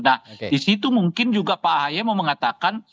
nah di situ mungkin juga pak haya mau mengatakan